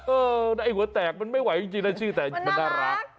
เออไอ้หัวแตกมันไม่ไหวจริงนะชื่อแตกมันน่ารัก